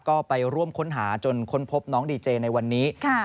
ก็ไปร่วมค้นหาจนค้นพบน้องดีเจในวันนี้